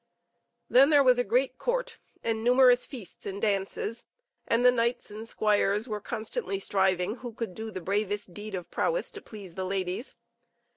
Then there was a great court, and numerous feasts and dances, and the knights and squires were constantly striving who could do the bravest deed of prowess to please the ladies.